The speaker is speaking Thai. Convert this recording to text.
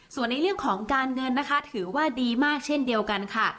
ส่วนในเรื่องของการเงินนะคะถือว่าดีมากเช่นเดียวกันค่ะ